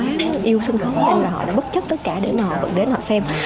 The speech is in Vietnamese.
nên là họ đã bất chấp tất cả để mà họ vượt đến họ xem